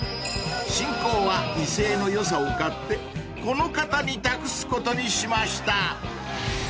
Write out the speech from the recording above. ［進行は威勢のよさを買ってこの方に託すことにしました］